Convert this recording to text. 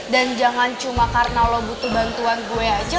dan jangan cuma karena lo butuh bantuan gue aja